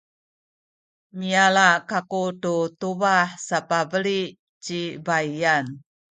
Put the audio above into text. miyala kaku tu tubah sapabeli ci baiyan.